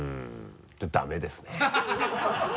ダメですね。